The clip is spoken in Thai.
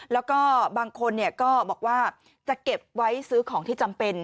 แล้วก็บางคนก็บอกว่าจะเก็บไว้ซื้อของที่จำเป็น